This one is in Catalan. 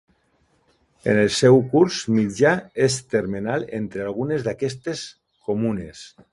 En el seu curs mitjà és termenal entre algunes d'aquestes comunes.